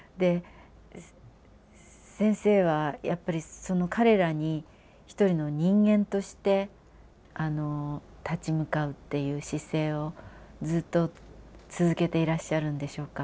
先生はやっぱり彼らに一人の人間として立ち向かうっていう姿勢をずっと続けていらっしゃるんでしょうか。